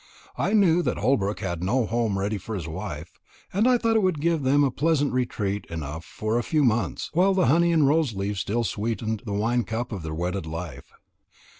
I knew that Holbrook had no home ready for his wife, and I thought it would give them a pleasant retreat enough for a few months, while the honey and rose leaves still sweetened the wine cup of their wedded life.